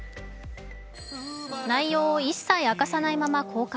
内容を一切明かさないまま公開。